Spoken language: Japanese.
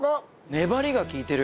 粘りが利いてる。